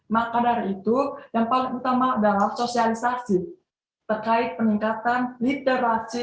maka dari itu yang paling utama adalah sosialisasi terkait peningkatan literasi